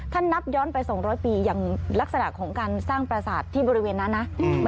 ถ้านับย้อนไป๒๐๐ปีอย่างลักษณะของการสร้างประสาทที่บริเวณนั้นนะ